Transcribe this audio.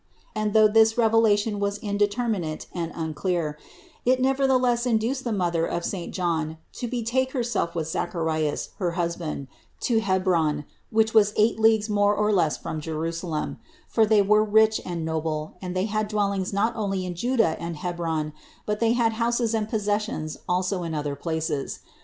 And though this revelation was inde terminate and unclear, it nevertheless induced the mother of saint John to betake herself with Zacharias, her hus band, to Hebron, which was eight leagues more or less from Jerusalem; for they were rich and noble, and they had dwellings not only in Juda and Hebron, but they had houses and possessions also in other places.